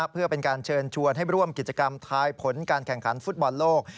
เพื่อเป็นการเชิญชวนให้ร่วมกิจกรรมทายผลการแข่งขันฟุตบอลโลก